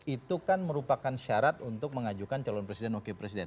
itu kan merupakan syarat untuk mengajukan calon presiden wakil presiden